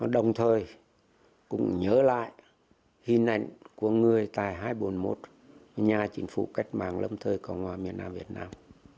đồng thời cũng nhớ lại hình ảnh của người tại hai trăm bốn mươi một nhà chính phủ cách mạng lâm thời cộng hòa miền nam việt nam